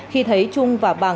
khi thấy trung và bằng